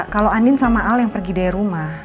kalau andin sama al yang pergi dari rumah